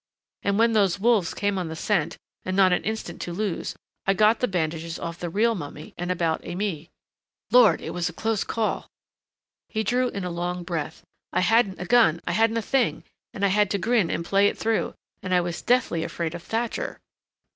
And when those wolves came on the scent, and not an instant to lose I got the bandages off the real mummy and about Aimée.... Lord, it was a close call!" He drew a long breath. "I hadn't a gun. I hadn't a thing and I had to grin and play it through ... And I was deathly afraid of Thatcher."